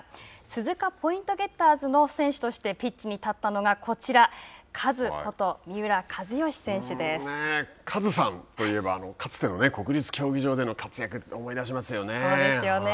鈴鹿ポイントゲッターズの選手としてピッチに立ったのがこちら、カズさんといえばかつての国立競技場での活躍を思い出しますよね。